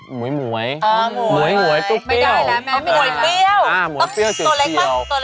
หมวยหมวยหมวยหมวยสูงเปรียวก็เอาพอดีพอดี